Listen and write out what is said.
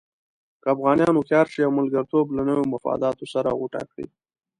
که افغانان هوښیار شي او ملګرتوب له نویو مفاداتو سره غوټه کړي.